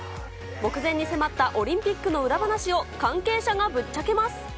目前に迫ったオリンピックの裏話を関係者がぶっちゃけます。